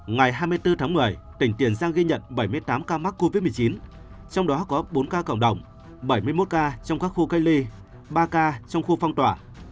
ngày hai mươi bốn tháng một mươi tỉnh tiền giang ghi nhận bảy mươi tám ca mắc covid một mươi chín trong đó có bốn ca cộng đồng bảy mươi một ca trong các khu cách ly ba ca trong khu phong tỏa